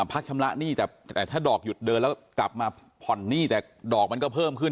พักชำระหนี้แต่ถ้าดอกหยุดเดินแล้วกลับมาผ่อนหนี้แต่ดอกมันก็เพิ่มขึ้น